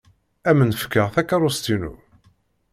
Ad m-n-fkeɣ takeṛṛust-inu.